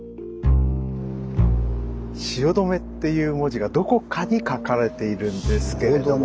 「汐留」っていう文字がどこかに書かれているんですけれども。